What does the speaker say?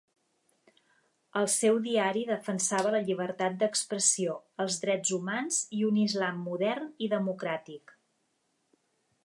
El seu diari defensava la llibertat d'expressió, els drets humans i un Islam modern i democràtic.